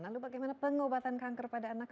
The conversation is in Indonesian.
lalu bagaimana pengobatan kanker pada anak